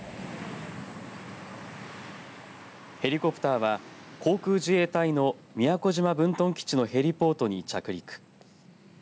ヘリコプターは航空自衛隊の宮古島分屯基地のヘリポートに着陸。